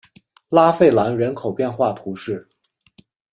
拉费兰人口变化图示